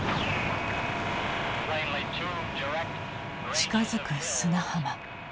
近づく砂浜。